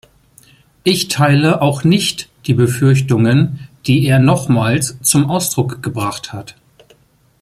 Ich teile auch nicht die Befürchtungen, die er nochmals zum Ausdruck gebracht hat.